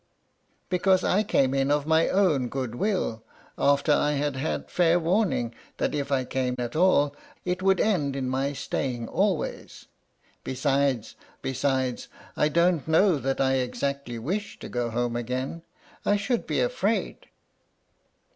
"Because I came in of my own good will, after I had had fair warning that if I came at all it would end in my staying always. Besides, I don't know that I exactly wish to go home again: I should be afraid."